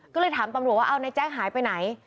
ก็เลยถามตำรวจว่าเอานายแจ๊คหายไปไหน